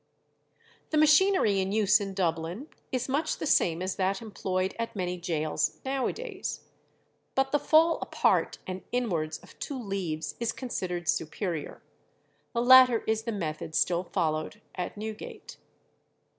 The machinery in use in Dublin is much the same as that employed at many gaols now a days. But the fall apart and inwards of two leaves is considered superior. The latter is the method still followed at Newgate.